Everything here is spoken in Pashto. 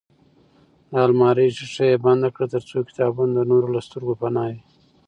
د المارۍ ښیښه یې بنده کړه ترڅو کتابونه د نورو له سترګو پناه وي.